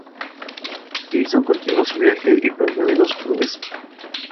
Jasón continuó su viaje y pronto olvidó su promesa.